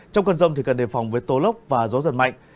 trong cơn rông thì cần đề phòng với tố lốc và gió giật mạnh